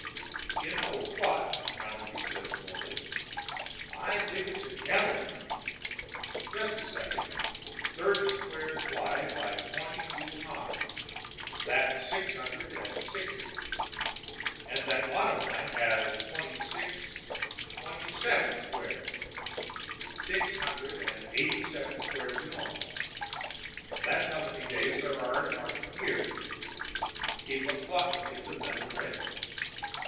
"You know what?" Allenby said slowly. "I think it's a calendar! Just a second thirty squares wide by twenty two high that's six hundred and sixty. And that bottom line has twenty six twenty seven squares. Six hundred and eighty seven squares in all. That's how many days there are in the Martian year!" He looked thoughtfully at the metal ring.